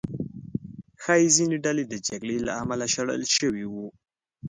ښایي ځینې ډلې د جګړې له امله شړل شوي وو.